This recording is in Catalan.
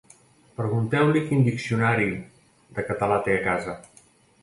Pregunteu-li quin diccionari de català té a casa.